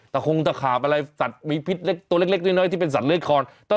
มันคงจะขาบอะไรพิษเล็กที่เป็นสัตว์เล็กคอน